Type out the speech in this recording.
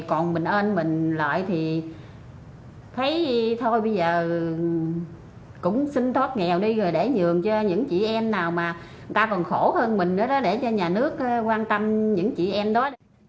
còn mình ơn mình lại thì thấy thôi bây giờ cũng xin thoát nghèo đi rồi để dường cho những chị em nào mà ta còn khổ hơn mình đó để cho nhà nước quan tâm những chị em đó